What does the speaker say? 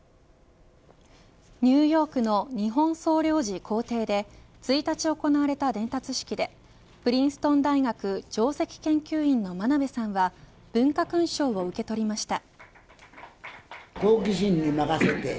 ニューヨークの日本総領事公邸で１日行われた伝達式でプリンストン大学上席研究員の真鍋さんは文化勲章を受け取りました。